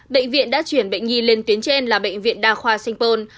bệnh viện đã chuyển bệnh nhi lên tuyến trên là bệnh viện đa khoa sanh pôn